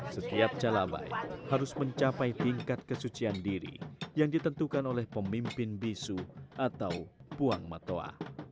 setiap calabai harus mencapai tingkat kesucian diri yang ditentukan oleh pemimpin bisu atau puang matoa